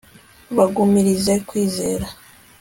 bagumirize kwizera